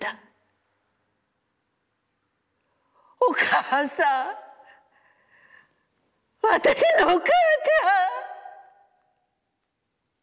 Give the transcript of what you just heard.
『おかあさん、私のおかあちゃん』